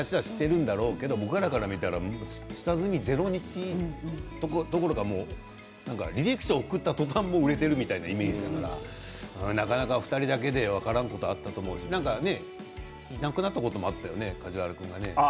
下積み自分たちとしてはしてるんだろうけど僕らから見たら下積みゼロ日どころか履歴書を送ったとたん売れているようなイメージだからなかなか２人だけで分からんことがあったと思うしいなくなったこともあったよね